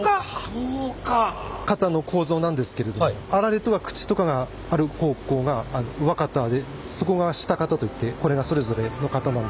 型の構造なんですけれどもあられとか口とかがある方向が上型で底が下型といってこれがそれぞれの型なんです。